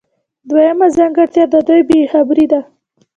دویمه ځانګړتیا د دوی بې خبري ده.